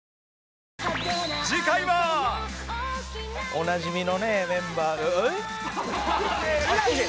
おなじみのねメンバーがえっ！？